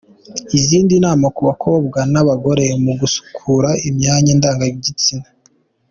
Izindi nama ku bakobwa n'abagore mu gusukura imyanyandangagitsina.